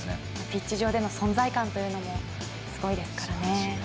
ピッチ上での存在感というのもすごいですからね。